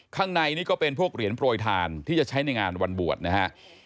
ข้างในนี่ก็เป็นพวกเหรียญโปรยทานที่จะใช้ในงานวันบวชนะฮะ